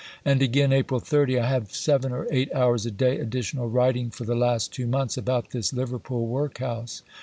And again (April 30): "I have seven or eight hours a day additional writing for the last two months about this Liverpool workhouse."